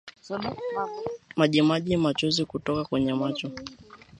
Majimaji machozi kutoka kwenye macho